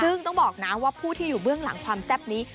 ซึ่งต้องบอกนะว่าผู้ที่อยู่เบื้องหลังความแซ่บนี้